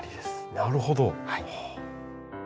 なるほど。